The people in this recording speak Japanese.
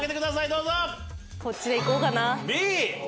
どうぞこっちでいこうかなＢ！